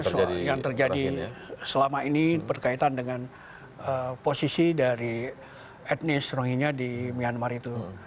karena yang terjadi selama ini berkaitan dengan posisi dari etnis rohingya di myanmar itu